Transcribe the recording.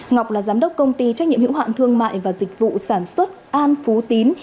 ngọc là giám đốc công ty trách nhiệm hiệu hạn thương mại và dịch vụ sản xuất an phú tín